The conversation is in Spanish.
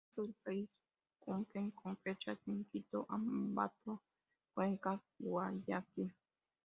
Dentro del país cumplen con fechas en Quito, Ambato, Cuenca, Guayaquil.